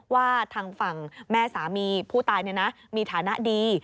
ว่าทางฝั่งแม่สามีผู้ตายมีฐานะดี